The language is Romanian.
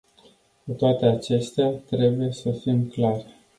Cu toate acestea, trebuie să fim clari.